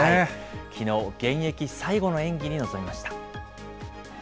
きのう、現役最後の演技に臨みました。